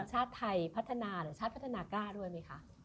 ชาติไทยพัฒนาหรือชาติพัฒนากล้าด้วยไหมคะ